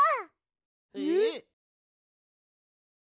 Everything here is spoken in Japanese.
えっ！？